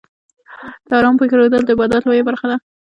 د حرامو پرېښودل، د عبادت لویه برخه ده.